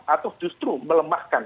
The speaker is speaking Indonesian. atau justru melemahkan